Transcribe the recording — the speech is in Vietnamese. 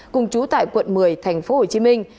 cùng chú tại quận một mươi thành phố hồ chí minh